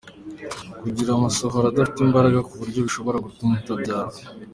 kugira amasohoro adafite imbaraga ku buryo bishobora gutuma utabyara.